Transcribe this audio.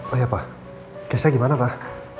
oh iya pak kesa gimana pak